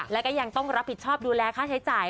แล้วก็ยังต้องรับผิดชอบดูแลค่าใช้จ่าย